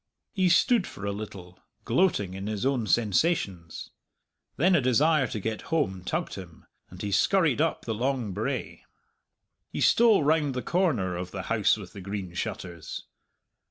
He stood for a little, gloating in his own sensations. Then a desire to get home tugged him, and he scurried up the long brae. He stole round the corner of the House with the Green Shutters.